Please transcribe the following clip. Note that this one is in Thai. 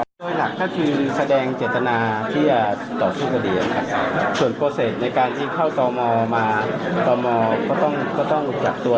มีต่อรองอะไรมันจะทำไม่ได้แล้วครับในความคิดอย่างไม่สามารถต่อรองอะไรได้